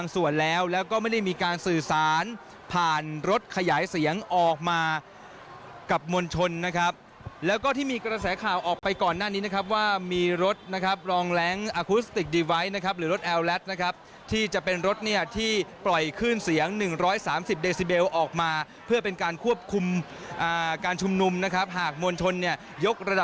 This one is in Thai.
ส่วนแล้วแล้วก็ไม่ได้มีการสื่อสารผ่านรถขยายเสียงออกมากับมวลชนนะครับแล้วก็ที่มีกระแสข่าวออกไปก่อนหน้านี้นะครับว่ามีรถนะครับรองแร้งอาคุสติกดีไวท์นะครับหรือรถแอลแลตนะครับที่จะเป็นรถเนี่ยที่ปล่อยคลื่นเสียง๑๓๐เดซิเบลออกมาเพื่อเป็นการควบคุมการชุมนุมนะครับหากมวลชนเนี่ยยกระ